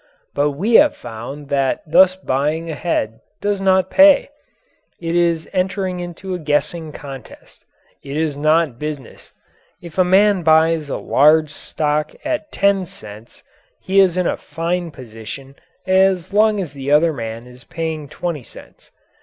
But we have found that thus buying ahead does not pay. It is entering into a guessing contest. It is not business. If a man buys a large stock at ten cents, he is in a fine position as long as the other man is paying twenty cents.